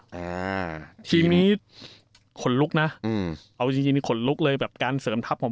อ่าทีนี้ขนลุกนะอืมเอาจริงจริงขนลุกเลยแบบการเสริมทัพของ